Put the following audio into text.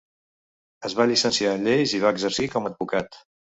Es va llicenciar en lleis i va exercir com a advocat.